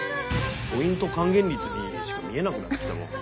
ポイント還元率にしか見えなくなってきたな。